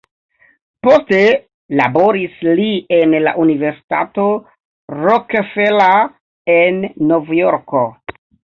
Poste laboris li en la Universitato Rockefeller en Novjorko.